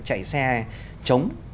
chạy xe chống